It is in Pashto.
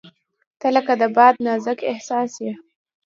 • ته لکه د باد نازک احساس یې.